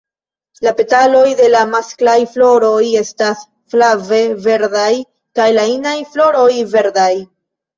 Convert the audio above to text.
La petaloj de la masklaj floroj estas flave verdaj kaj la inaj floroj verdaj.